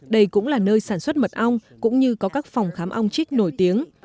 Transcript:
đây cũng là nơi sản xuất mật ong cũng như có các phòng khám ong chích nổi tiếng